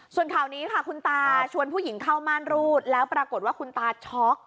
ส่วนข่าวนี้ค่ะคุณตาชวนผู้หญิงเข้าม่านรูดแล้วปรากฏว่าคุณตาช็อก